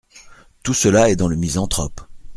Tout cela est dans le Misanthrope .